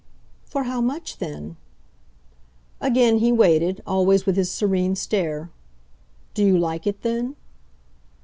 "For how much then?" Again he waited, always with his serene stare. "Do you like it then?"